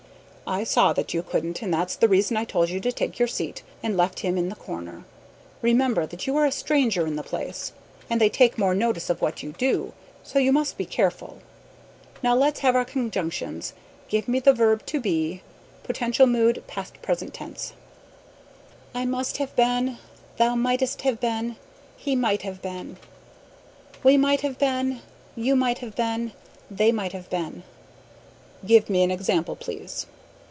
"I saw that you couldn't, and that's the reason I told you to take your seat, and left him in the corner. Remember that you are a stranger in the place, and they take more notice of what you do, so you must be careful. Now let's have our conjugations. Give me the verb 'to be,' potential mood, past perfect tense." "I might have been "We might have been Thou mightst have been You might have been He might have been They might have been." "Give me an example, please."